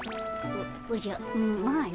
おおじゃまあの。